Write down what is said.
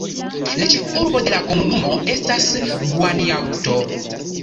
La ĉefurbo de la komunumo estas Guanajuato.